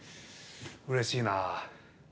うれしいなぁ。